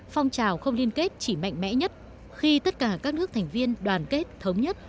phong trào không liên kết chỉ mạnh mẽ nhất khi tất cả các nước thành viên đoàn kết thống nhất